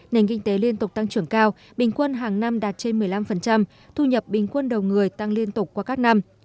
nền kinh tế liên tục tăng trưởng cao bình quân hàng năm đạt trên một mươi năm thu nhập bình quân đầu người tăng liên tục qua các năm